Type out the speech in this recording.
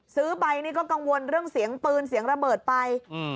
ซื้อไปนี่ก็กังวลเรื่องเสียงปืนเสียงระเบิดไป